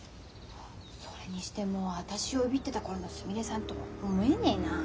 それにしても私をいびってた頃のすみれさんとは思えねえなあ。